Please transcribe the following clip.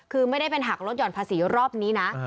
คือไม่ได้เป็นหักลดห่อนภาษีรอบนี้นะ